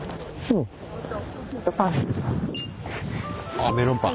あメロンパン。